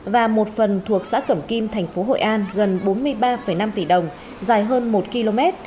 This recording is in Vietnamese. và một phần thuộc xã cẩm kim thành phố hội an gần bốn mươi ba năm tỷ đồng dài hơn một km